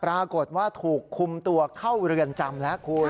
ปรากฏว่าถูกคุมตัวเข้าเรือนจำแล้วคุณ